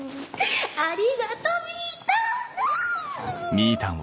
ありがとみぃたん！